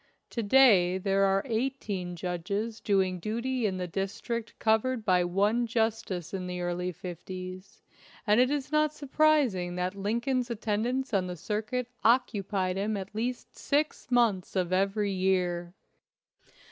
To day there are eighteen judges doing duty in the district cov ered by one justice in the early fifties, and it is not surprising that Lincoln's attendance on the circuit occupied him at least six months of every year.